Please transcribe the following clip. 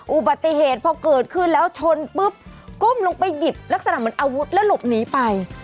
อุบัติเหตุพอเกิดขึ้นแล้วชนปุ๊บก้มลงไปหยิบลักษณะเหมือนอาวุธแล้วหลบหนีไป